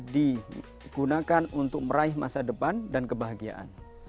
digunakan untuk meraih masa depan dan kebahagiaan